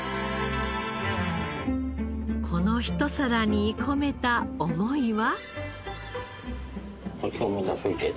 この一皿に込めた思いは。